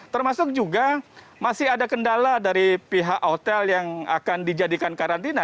termasuk juga masih ada kendala dari pihak hotel yang akan dijadikan karantina